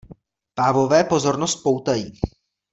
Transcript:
Pávové pozornost poutají.